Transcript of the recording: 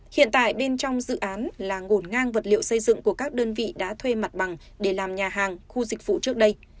hiện tại bên trong dự án là ngổn ngang vật liệu xây dựng của các đơn vị đã thuê mặt bằng để làm nhà hàng khu dịch vụ trước đây